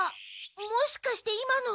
もしかして今の。